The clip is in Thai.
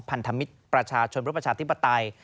พันธมิตรประชาชนเพื่อประชาธิปไตย